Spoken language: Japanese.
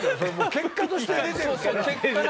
結果として出てるから。